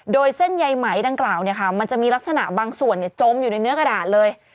โดยเส้นใยไหมดังกล่าวมันจะมีลักษณะบางส่วนจมอยู่ในเนื้อกระดาษเลย